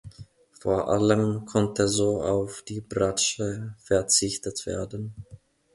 Vor allem konnte so auf die Bratsche verzichtet werden.